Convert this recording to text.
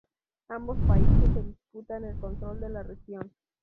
Ambos países se disputan el control de la región.